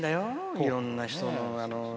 いろんな人の。